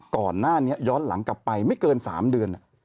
ก่อนหน้านี้ย้อนหลังกลับไปไม่เกิน๓เดือน